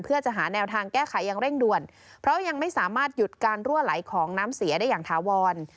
เพื่อจะหาแนวทางแก้ไขอย่างเร่งด่วนเพราะยังไม่สามารถหยุดการรั่วไหลของน้ำเสียได้อย่างถาวร